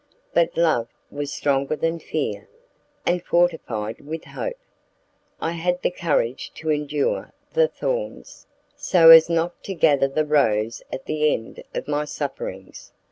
But love was stronger than fear, and, fortified with hope, I had the courage to endure the thorns, so as to gather the rose at the end of my sufferings.